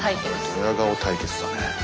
ドヤ顔対決だね。